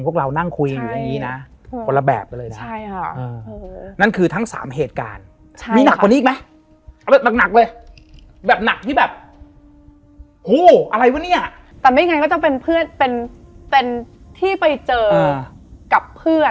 พอกัดขึ้นมาในห้องแล้วปุ๊บ